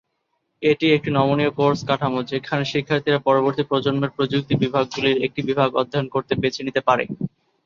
এটি একটি নমনীয় কোর্স কাঠামো, যেখানে শিক্ষার্থীরা পরবর্তী প্রজন্মের প্রযুক্তি বিভাগগুলির একটি বিভাগ অধ্যয়ন করতে বেছে নিতে পারে।